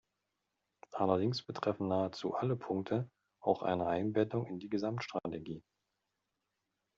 Allerdings betreffen nahezu alle Punkte auch einer Einbettung in die Gesamtstrategie.